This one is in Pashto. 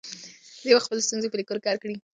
دوی به خپلې ستونزې په لیکلو کې حل کړي.